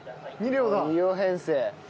２両編成。